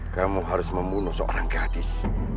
kamu harus membunuh seorang gadis